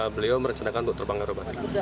beliau merencanakan untuk terbang akrobatik